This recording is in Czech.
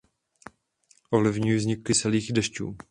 Ovlivňují vznik kyselých dešťů.